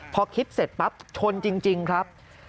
พอคิดเสร็จปั๊บชนจริงครับ